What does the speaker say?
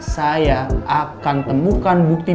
saya akan temukan bukti bukti ini